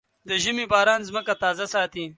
د ژمي باران ځمکه تازه ساتي.